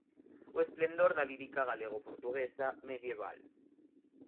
O esplendor da lírica galego-portuguesa medieval.